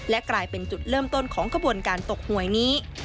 กลายเป็นจุดเริ่มต้นของกระบวนการตกหวยนี้